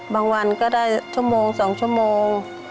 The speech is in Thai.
วันก็ได้ชั่วโมง๒ชั่วโมง